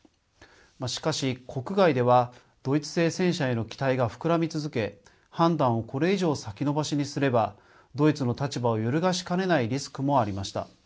しかし、国外ではドイツ製戦車への期待が膨らみ続け、判断をこれ以上先延ばしにすれば、ドイツの立場を揺るがしかねないリスクもありました。